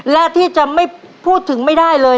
และที่จะไม่พูดถึงไม่ได้เลย